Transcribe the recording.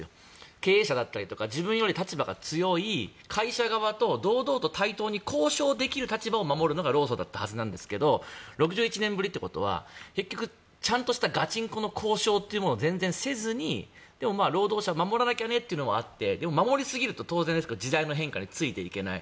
経営者だったりとか自分より立場が強い会社側と堂々と対等に交渉できる立場を守るのが労組だったはずなんですけど６１年ぶりということは結局ちゃんとしたガチンコの交渉というものを全然せずにでも労働者を守らなきゃねというのもあってでも守りすぎると当然ですが時代の変化についていけない。